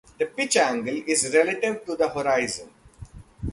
The pitch angle is relative to the horizon.